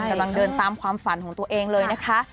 กำลังเดินตามความฝันของตัวเองเลยนะคะ